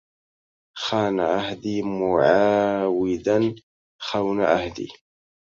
خان عهدي معاودا خون عهدي